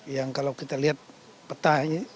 yang kalau kita lihat petanya